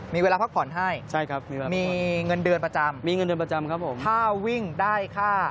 มีเวลาพักผ่อนให้มีเงินเดือนประจำถ้าวิ่งได้ค่า